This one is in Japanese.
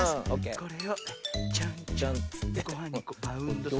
これをチョンチョンっつってごはんにバウンドさせて。